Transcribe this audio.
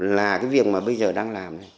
là cái việc mà bây giờ đang làm này